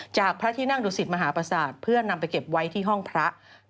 พระที่นั่งดุสิตมหาประสาทเพื่อนำไปเก็บไว้ที่ห้องพระ